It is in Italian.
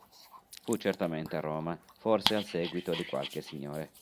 Fu certamente a Roma, forse al seguito di qualche signore.